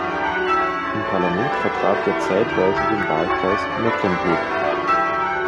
Im Parlament vertrat er zeitweise den Wahlkreis Mecklenburg.